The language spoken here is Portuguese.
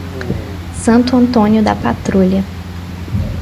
Santo Antônio da Patrulha